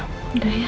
sudah sudah ya